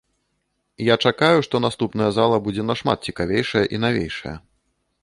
Я чакаю, што наступная зала будзе нашмат цікавейшая і навейшая.